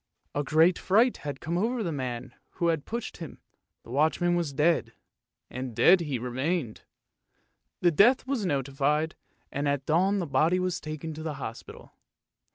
A great fright had come over the man who had pushed him, the watchman was dead, and dead he remained. The death was notified, and at dawn the body was taken to the hospital.